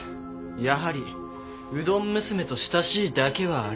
やはりうどん娘と親しいだけはあります。